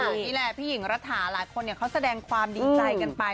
นี่แหละพี่หญิงรัฐาหลายคนเขาแสดงความดีใจกันไป